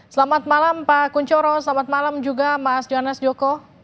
selamat malam pak kunchoro selamat malam juga mas jonas joko